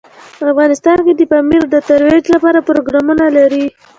افغانستان د پامیر د ترویج لپاره پروګرامونه لري.